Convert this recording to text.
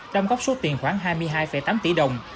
đam góp số tiền khoảng hai mươi hai tám tỷ đồng